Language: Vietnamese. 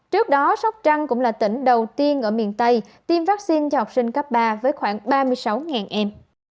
trước đó sóc trăng cũng là tỉnh đầu tiên ở miền tây tiêm vaccine cho học sinh cấp ba với khoảng ba mươi sáu em